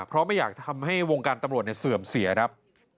เพราะไม่อยากทำให้วงการตำรวจเสื่อมเสียครับ